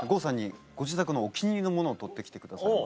ご自宅のお気に入りのものを撮って来てくださいました。